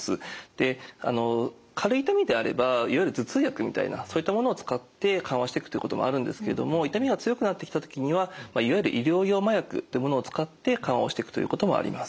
で軽い痛みであればいわゆる頭痛薬みたいなそういったものを使って緩和していくっていうこともあるんですけども痛みが強くなってきた時にはいわゆる医療用麻薬ってものを使って緩和をしていくということもあります。